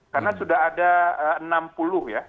karena sudah ada enam puluh ya